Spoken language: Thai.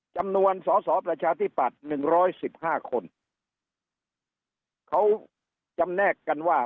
จำนวนสสประชาธิบัติ๑๑๕คนเขาจำแนกกันว่า